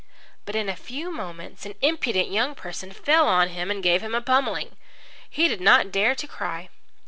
But in a few moments an impudent young person fell on him and gave him a pummelling. He did not dare even to cry.